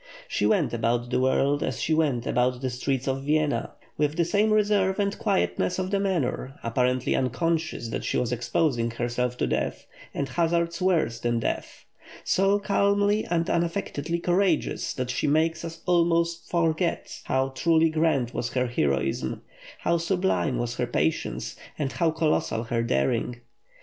She went about the world as she went about the streets of Vienna; with the same reserve and quietness of demeanour, apparently unconscious that she was exposing herself to death, and hazards worse than death; so calmly and unaffectedly courageous that she makes us almost forget how truly grand was her heroism, how sublime was her patience, and how colossal her daring.